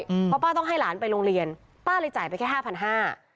เพราะป้าต้องให้หลานไปโรงเรียนป้าเลยจ่ายไปแค่ห้าพันห้า